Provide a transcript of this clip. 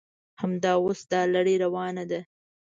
همدا اوس دا لړۍ روانه ده.